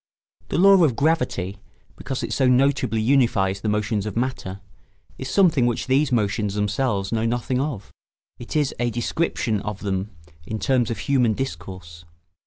The law of gravity, because it so notably unifies the motions of matter, is something which these motions themselves know nothing of; it is a description of them in terms of human discourse.